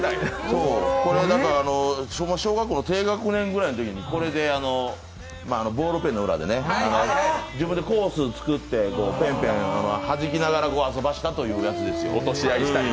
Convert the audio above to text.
小学校の低学年くらいのときに、ボールペンの裏で自分でコース作って、ペンペン弾きながら遊ばせたというやつですよ。